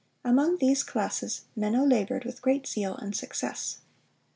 Among these classes Menno labored with great zeal and success.